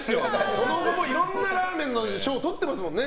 その後もいろんなラーメンの賞とってますもんね。